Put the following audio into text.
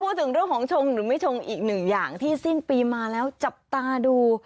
พูดถึงเรื่องของชงหรือไม่ชงอีกหนึ่งอย่างที่สิ้นปีมาแล้วจับตาดู